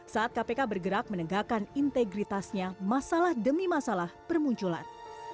saat kpk bergerak menegakkan integritasnya masalah demi masalah bermunculan